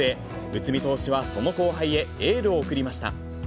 内海投手はその後輩へ、エールを送りました。